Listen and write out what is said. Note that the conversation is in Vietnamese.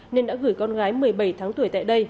nên đã gửi con gái một mươi bảy tháng tuổi tại đây